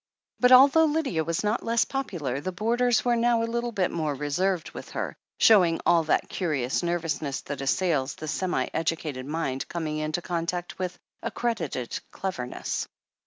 But although Lydia was not less popular, the boarders were now a little bit more reserved with her, showing all that curious nervousness that assails the semi educated mind coming into contact with accredited "cleverness."